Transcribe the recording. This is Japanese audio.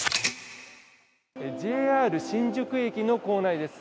ＪＲ新宿駅の構内です。